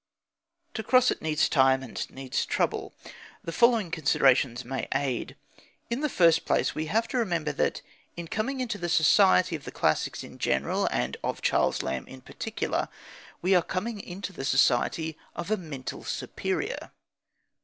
To cross it needs time and needs trouble. The following considerations may aid. In the first place, we have to remember that, in coming into the society of the classics in general and of Charles Lamb in particular, we are coming into the society of a mental superior.